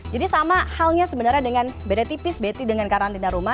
jadi sama halnya sebenarnya dengan beda tipis beti dengan karantina rumah